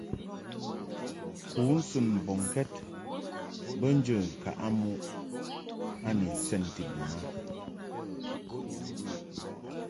Kunsun mbɔŋkɛd be njə ŋkaʼɨ muʼ a ni nsenti bun a.